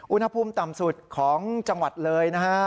อุณหภูมิต่ำสุดของจังหวัดเลยนะฮะ